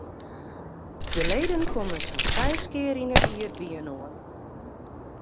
De leden komme sa'n seis kear yn it jier byinoar.